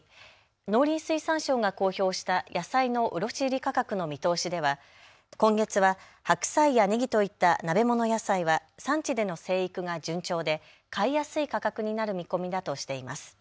農林水産省が公表した野菜の卸売価格の見通しでは今月は白菜やねぎといった鍋物野菜は産地での生育が順調で買いやすい価格になる見込みだとしています。